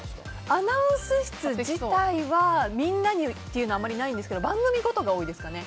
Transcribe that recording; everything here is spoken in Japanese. アナウンス室自体はみんなにっていうのはあまりないんですが番組ごとが多いですね。